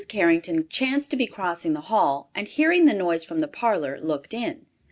Carrington chanced to be crossing the hall and, hearing the noise from the parlor, looked in.